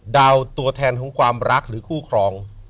ตัวแทนของความรักหรือคู่ครอง